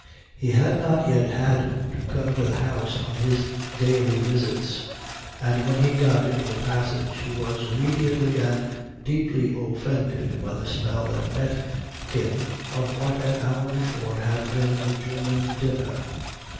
He had not yet had to come into the house on his daily visits, and when he got into the passage he was immediately and deeply offended by the smell that met him of what an hour before had been a German dinner.